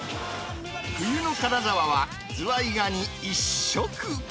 冬の金沢はズワイガニ一色。